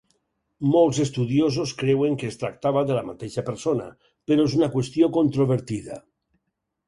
Molts estudiosos creuen que es tractava de la mateixa persona, però és una qüestió controvertida.